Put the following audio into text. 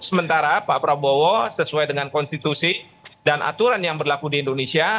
sementara pak prabowo sesuai dengan konstitusi dan aturan yang berlaku di indonesia